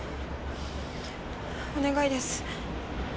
お願いです。